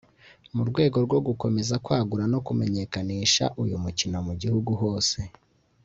mu rwego rwo gukomeza kwagura no kumenyekanusha uyu mukino mu gihugu hose